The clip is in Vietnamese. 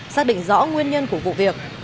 xác định rõ nguyên nhân của vụ việc